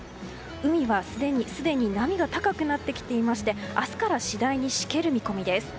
海はすでに波が高くなってきていて明日から次第にしける見込みです。